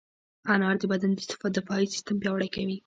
انار د بدن دفاعي سیستم پیاوړی کوي.